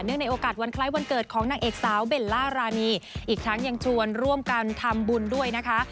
ในโอกาสวันคล้ายวันเกิดของนางเอกสาวเบลล่ารานีอีกทั้งยังชวนร่วมกันทำบุญด้วยนะคะ